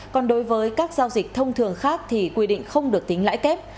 còn đối với các giao dịch thông thường khác thì quy định không được tính lãi kép